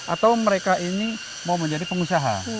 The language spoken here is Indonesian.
atau mereka ini mau menjadi pengusaha